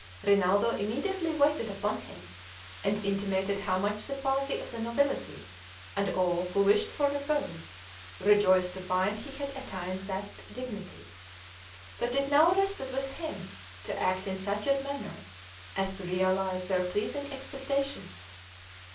Rinaldo immediately waited upon him, and intimated how much the party of the nobility, and all who wished for repose, rejoiced to find he had attained that dignity; that it now rested with him to act in such a manner as to realize their pleasing expectations.